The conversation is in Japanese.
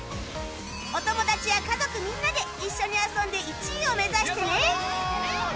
お友達や家族みんなで一緒に遊んで１位を目指してね